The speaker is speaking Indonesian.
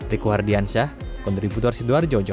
riku hardiansyah kondri putar sidoarjo jawa timur